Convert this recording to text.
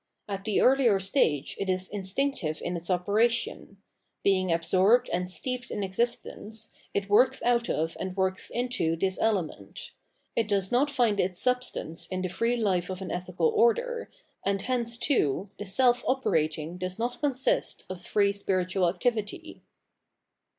At the earlier stage it is instinctive in its * The religion of pure beauty. Religion in the Form of Art 715 operation ; being absorbed and steeped in existence, it works out of and works into tbis element ; it does not find its substance in tbe free life of an ethical order, and hence, too, the self operating does not consist of free spiritual activity.